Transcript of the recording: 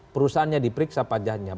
perusahaannya diperiksa pajaknya